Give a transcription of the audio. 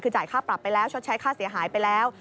คือจ่ายค่าปรับไปแล้วชดใช้ค่าเสียหายไปแล้ว